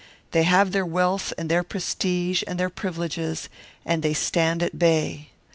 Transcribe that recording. They have their wealth and their prestige and their privileges, and they stand at bay.